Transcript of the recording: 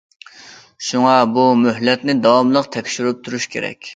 شۇڭا بۇ مۆھلەتنى داۋاملىق تەكشۈرۈپ تۇرۇش كېرەك.